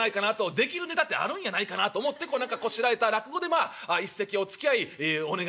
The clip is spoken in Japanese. できるネタってあるんやないかなと思ってこしらえた落語でまあ一席おつきあいお願いしたいわけでございます。